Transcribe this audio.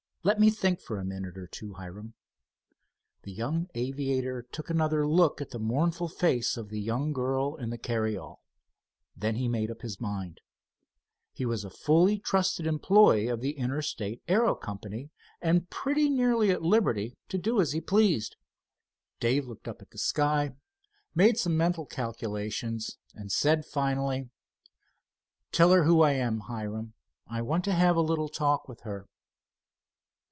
"Let me think for a minute or two, Hiram." The young aviator took another look at the mournful face of the young girl in the carryall. Then he made up his mind. He was a fully trusted employe of the Interstate Aero Company, and pretty nearly at liberty to do as he pleased. Dave looked up at the sky, made some mental calculations, and said finally: "Tell her who I am, Hiram—I want to have a little talk with her."